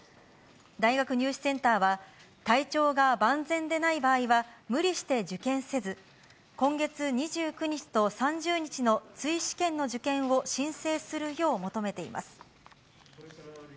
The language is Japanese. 大学入試センターは、体調が万全でない場合は、無理して受験せず、今月２９日と３０日の追試験の受験を申請するよう求めています。